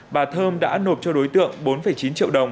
bà thơm đã nộp cho đối tượng bốn chín triệu đồng